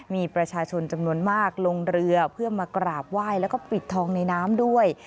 มีประชาชนจำนวนมากลงเรือเพื่อมากราบไหว้แล้วก็ปิดทองในน้ำด้วย